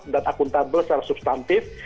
dan akuntabel secara substantif